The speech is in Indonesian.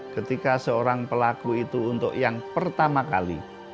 ketika seorang pelaku itu untuk yang pertama kali